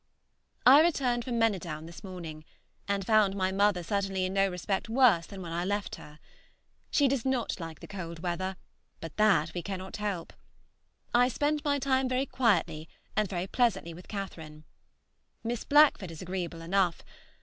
I returned from Manydown this morning, and found my mother certainly in no respect worse than when I left her. She does not like the cold weather, but that we cannot help. I spent my time very quietly and very pleasantly with Catherine. Miss Blackford is agreeable enough.